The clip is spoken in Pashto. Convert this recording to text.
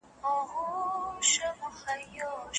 پانګه د ټکنالوژۍ د پېرلو لپاره کارول کېږي.